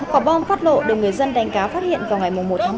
quả bom phát lộ được người dân đánh cá phát hiện vào ngày một tháng năm